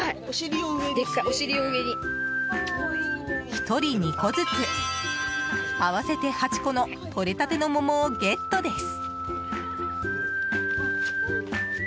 １人２個ずつ、合わせて８個のとれたての桃をゲットです！